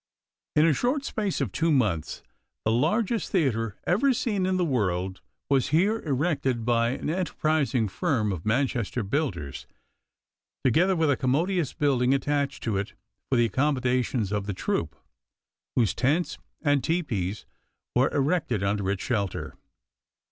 In the short space of two months the largest theater ever seen in the world was here erected by an enterprising firm of Manchester builders, together with a commodious building attached to it for the accommodation of the troupe, whose tents and tepees were erected under its shelter.